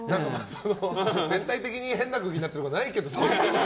全体的に変な空気になってることはないけど。